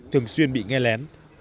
thường xuyên bị nghe lén